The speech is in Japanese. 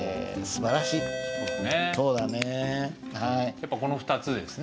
やっぱこの二つですね。